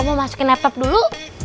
masukin laptop dulu